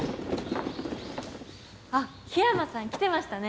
あっ緋山さん来てましたね。